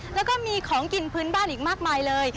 แล้วก็มีของกินพื้นบ้านอีกมากมายเลย